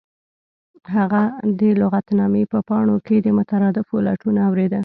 هغه د لغتنامې په پاڼو کې د مترادفاتو لټون اوریده